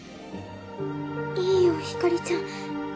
いいよひかりちゃん。